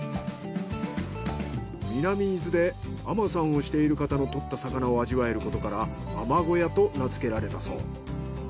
南伊豆で海女さんをしている方の獲った魚を味わえることから海女小屋と名づけられたそう。